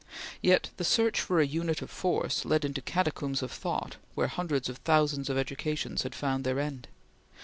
Yet the search for a unit of force led into catacombs of thought where hundreds of thousands of educations had found their end.